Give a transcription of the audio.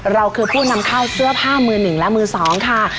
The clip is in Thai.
เราคือผู้นำเข้าเสื้อผ้ามือหนึ่งและมือสองค่ะ